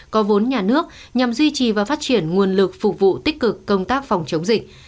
có vốn nhà nước nhằm duy trì và phát triển nguồn lực phục vụ tích cực công tác phòng chống dịch